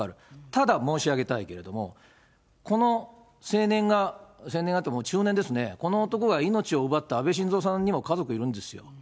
ただ、申し上げたいけれども、この青年が、青年がというかもう中年ですね、この男が命を奪った安倍晋三さんにも家族がいるんですよ。